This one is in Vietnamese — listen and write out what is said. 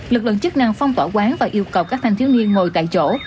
lực lượng chức năng phong tỏa quán và yêu cầu các thanh thiếu niên ngồi tại chỗ